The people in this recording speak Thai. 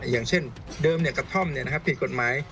อย่างเช่นเดิมกระท่อมผิดกฎหมาย